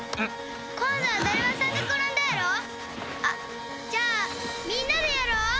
あっじゃあみんなでやろう！